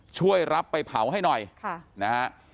ช่วยรับไปเผาให้หน่อยนะฮะ